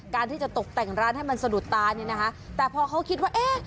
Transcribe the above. การที่จะตกแต่งร้านให้มันสะดุดตาเนี่ยนะคะแต่พอเขาคิดว่าเอ๊ะ